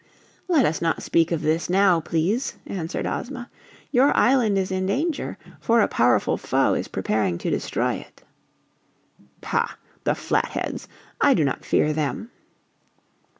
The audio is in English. "Let us not speak of this now, please," answered Ozma. "Your island is in danger, for a powerful foe is preparing to destroy it." "Pah! The Flatheads. I do not fear them."